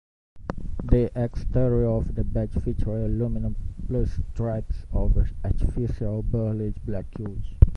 The exterior of the bed featured aluminum pinstripes over artificial burled black wood.